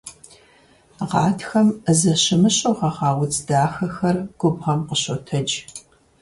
Гъатхэм зэщымыщу гъэгъа удз дахэхэр губгъуэм къыщотэдж.